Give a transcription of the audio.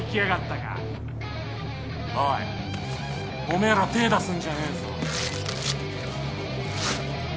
おいおめえら手ぇ出すんじゃねえぞ。